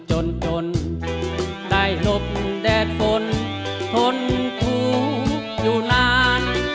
จนจนได้หลบแดดฝนทนทุกข์อยู่นาน